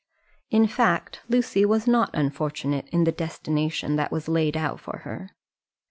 In fact, Lucy was not unfortunate in the destination that was laid out for her.